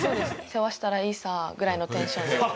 「世話したらいいさ」ぐらいのテンションで。